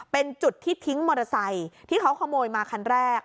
เป็นจุดที่ทิ้งมอเตอร์ไซค์ที่เขาขโมยมาคันแรก